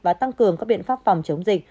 và tăng cường các biện pháp phòng chống dịch